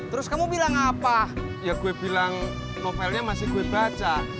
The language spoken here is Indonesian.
anu novelnya belum selesai gue baca